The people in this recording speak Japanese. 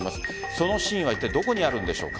その真意はいったいどこにあるんでしょうか。